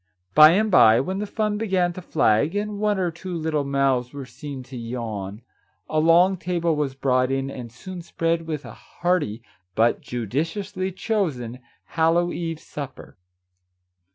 By and by, when the fun began to flag, and one or two little mouths were seen to yawn, a long table was brought in and soon spread with a hearty (but judiciously chosen) Hallow eve supper.